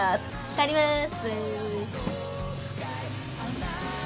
帰ります。